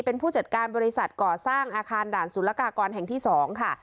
เป็นผู้จัดการบริษัทก่อสร้างอาคารด่านสุรกากรแห่งที่๒ค่ะ